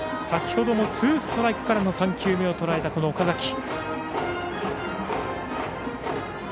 先ほどもツーストライクからの３球目をとらえた岡崎。